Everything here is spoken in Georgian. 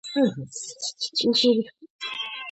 მიაკუთვნებენ ინდოევროპული ენების ჯგუფს.